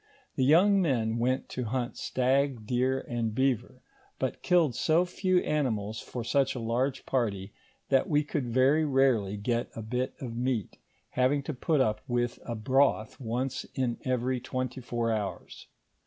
The young men went to hunt stag, deer, and beaver, but killed so few animals for such a large party, that we could very rarely get a bit of meat, having to put up with a broth once in every twenty four hours.